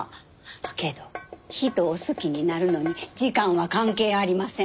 けど人を好きになるのに時間は関係ありません。